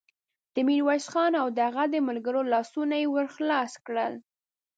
د ميرويس خان او د هغه د ملګرو لاسونه يې ور خلاص کړل.